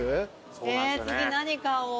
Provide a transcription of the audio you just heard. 次何買おう。